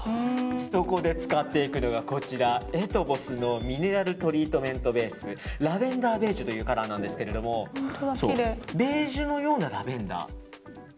そこで使っていくのがエトヴォスのミネラルトリートメントベースラベンダーベージュというカラーなんですけどベージュのようなラベンダー。